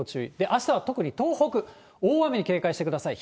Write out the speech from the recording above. あしたは特に東北、大雨に警戒してください。